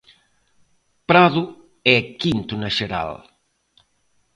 Prado é quinto na xeral.